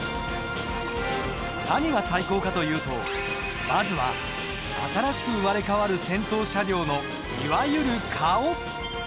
何が最高かというとまずは新しく生まれ変わる先頭車両のいわゆる顔！